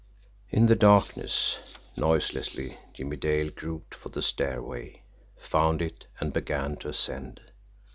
In the darkness, noiselessly, Jimmie Dale groped for the stairway, found it, and began to ascend.